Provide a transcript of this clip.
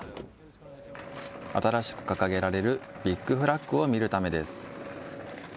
新しく掲げられるビッグフラッグを見るためです。